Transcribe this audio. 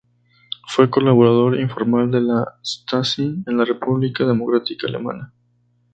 Fue colaborador informal de la Stasi en la República Democrática Alemana.